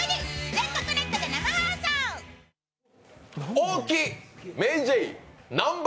大木・ＭａｙＪ．・南波